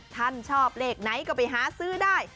ท่านชอบเลขไหนก็ไปหาซื้อได้